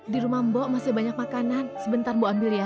di rumah mbok masih banyak makanan sebentar bu ambil ya